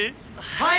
はい！